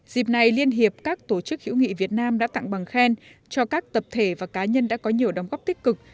dịp này liên hiệp các tổ chức hữu nghị việt nam đã tặng bằng khen cho các tập thể và cá nhân đã có nhiều đóng góp tích cực